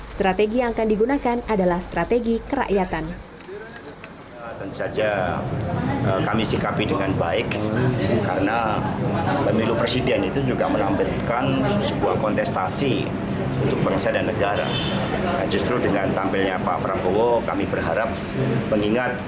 strategi yang akan digunakan adalah strategi kerakyatan